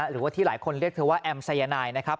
หรือว่าที่หลายคนเรียกเธอว่าแอมสายนายนะครับ